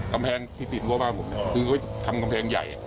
กำแพงที่ติดฮโลกบ้านเนี่ยคือเพื่อทำกำแพงใหญ่